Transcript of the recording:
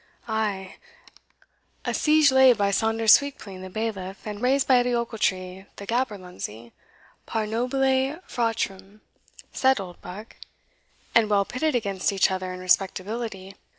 "Ay, a siege laid by Saunders Sweepclean the bailiff, and raised by Edie Ochiltree the gaberlunzie, par nobile fratrum," said Oldbuck, "and well pitted against each other in respectability.